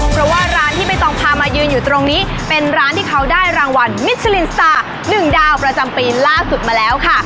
เพราะว่าร้านที่ไม่ต้องพามายืนอยู่ตรงนี้เป็นร้านที่เขาได้รางวัลมิชลินสตาร์๑ดาวประจำปีล่าสุดมาแล้วค่ะ